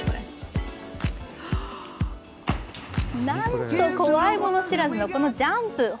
なんと、怖いもの知らずのこのジャンプ。